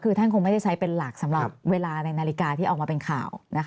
คือท่านคงไม่ได้ใช้เป็นหลักสำหรับเวลาในนาฬิกาที่ออกมาเป็นข่าว